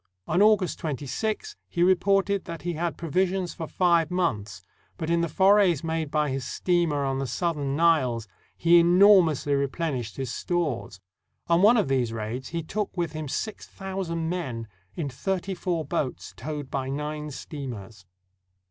On August 26, he reported that he had provisions for five months, but in the forays made by his steamer on the Southern Niles he enormously replenished his stores. On one of these raids he took with him six thou sand men in thirty four boats towed by nine steamers.